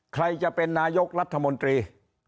ใครจะเป็นนายกรัฐมนตรี